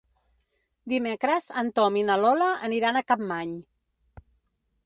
Dimecres en Tom i na Lola aniran a Capmany.